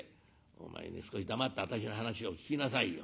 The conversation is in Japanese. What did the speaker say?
「お前ね少し黙って私の話を聞きなさいよ。